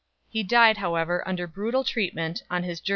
He died however under brutal treatment, on his journey thither.